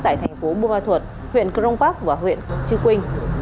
tại thành phố buôn ma thuật huyện crong park và huyện chư quynh để đem đi cầm cố